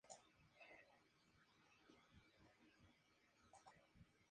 Palpos, debajo del cuerpo y las piernas de color blanco amarillento.